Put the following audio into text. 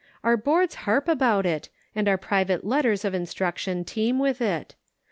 Our Boards harp about it, and our private letters of instruction teem with it.